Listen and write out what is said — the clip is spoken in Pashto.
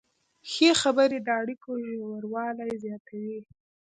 ښې خبرې د اړیکو ژوروالی زیاتوي.